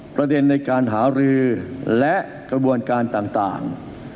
ประเด็นในการหารือและกระบวนการต่าง